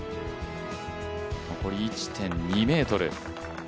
残り１．２ｍ。